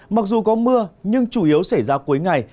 mặc dù có mưa nhưng chủ yếu xảy ra cuối ngày